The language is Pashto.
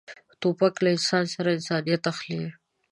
توپک له انسان انسانیت اخلي.